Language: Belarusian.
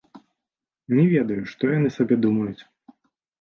Не ведаю, што яны сабе думаюць.